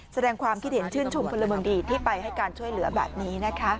แสดงความคิดเห็นชื่นชมพลเมืองดีที่ไปให้การช่วยเหลือแบบนี้นะคะ